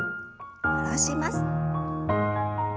下ろします。